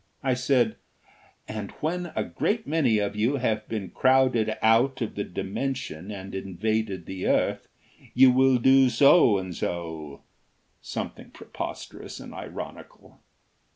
I said: "And when a great many of you have been crowded out of the Dimension and invaded the earth you will do so and so " something preposterous and ironical.